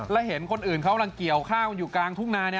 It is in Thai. และเห็นคนอื่นเขาเพิ่งเกี่ยวข้าวอยู่กลางทุ่มนาเนี้ย